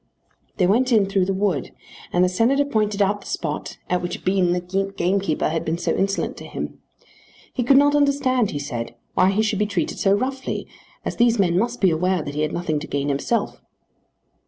They went in through the wood, and the Senator pointed out the spot at which Bean the gamekeeper had been so insolent to him. He could not understand, he said, why he should be treated so roughly, as these men must be aware that he had nothing to gain himself.